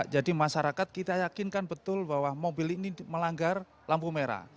jadi masyarakat kita yakinkan betul bahwa mobil ini melanggar lampu merah